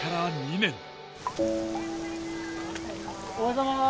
おはようございます！